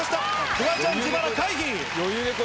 フワちゃん自腹回避！